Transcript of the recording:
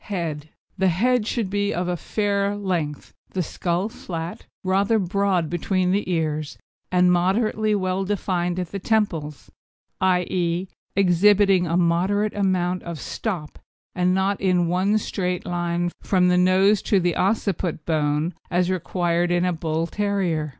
HEAD The head should be of a fair length; the skull flat, rather broad between the ears, and moderately well defined at the temples i.e. exhibiting a moderate amount of stop and not in one straight line from the nose to the occiput bone as required in a Bull terrier.